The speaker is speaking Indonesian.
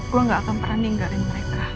gue gak akan pernah ninggarin mereka